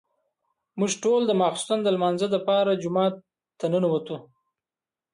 موږ ټول د ماسخوتن د لمانځه لپاره جومات ته ننوتو.